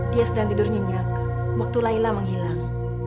dia sedang tidur nyingjak waktu layla menghilang